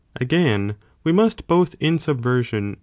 AGAIN, we must both in subversion.